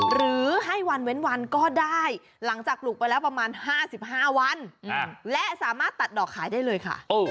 หรือให้วันเว้นวันก็ได้หลังจากปลูกไปแล้วประมาณ๕๕วันและสามารถตัดดอกขายได้เลยค่ะ